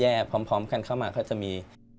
มีช่วงที่ย้ำแยกพร้อมกันเข้ามาก็จะมี